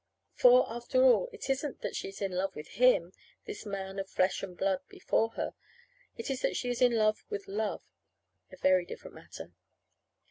For, after all, it isn't that she is in love with him, this man of flesh and blood before her; it is that she is in love with love. A very different matter.